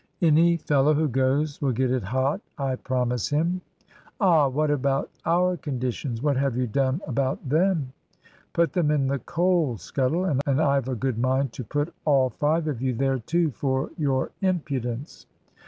"Any fellow who goes will get it hot, I promise him." "Ah! What about our conditions? What have you done about them?" "Put them in the coal scuttle; and I've a good mind to put all five of you there too, for your impudence."